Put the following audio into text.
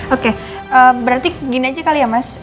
oke berarti gini aja kali ya mas